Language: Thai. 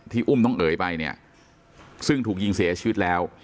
อุ้มน้องเอ๋ยไปเนี่ยซึ่งถูกยิงเสียชีวิตแล้ว